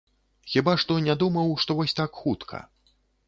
Хіба што не думаў, што вось так хутка.